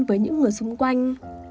với những người xung quanh